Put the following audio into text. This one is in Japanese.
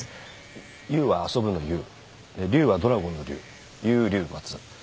「遊」は遊ぶの「遊」「龍」はドラゴンの「龍」遊龍松。